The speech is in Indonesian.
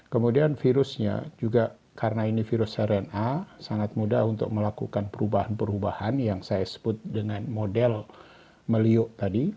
kemudian virusnya juga karena ini virus rna sangat mudah untuk melakukan perubahan perubahan yang saya sebut dengan model meliuk tadi